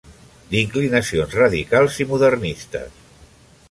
D'inclinacions radicals i modernistes.